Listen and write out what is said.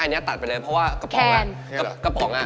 อันนี้ตัดไปเลยเพราะว่ากระป๋องอะ